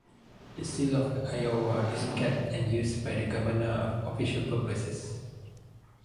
The Seal of Iowa is kept and used by the Governor for official purposes.